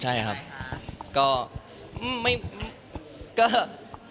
อ๋อใช่ครับใช่ครับ